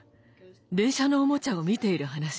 電車のおもちゃを見ている話。